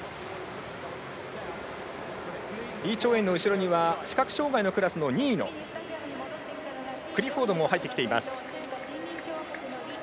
李朝燕の後ろには視覚障がいのクラスの２位のクリフォードも入ってきています。